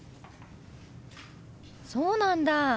そうなんだ。